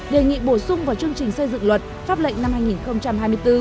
đề nghị bổ sung vào chương trình xây dựng luật pháp lệnh năm hai nghìn hai mươi bốn